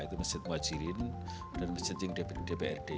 itu masjid muhajirin dan masjid cingdiperd